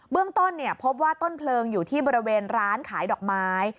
เรื่องต้นพบว่าต้นเพลิงอยู่ที่บริเวณร้านขายดอกไม้